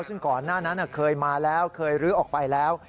ซึ่งก่อนหน้านั้นเคยมาแล้วเคยลื้อออกไปแล้ว